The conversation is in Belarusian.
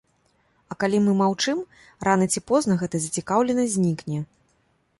А калі мы маўчым, рана ці позна гэта зацікаўленасць знікне.